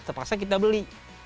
terpaksa kita beli